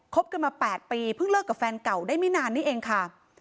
บกันมา๘ปีเพิ่งเลิกกับแฟนเก่าได้ไม่นานนี่เองค่ะ